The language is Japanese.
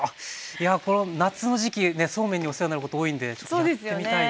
いやこの夏の時期ねそうめんにお世話になること多いんでちょっとやってみたいですね。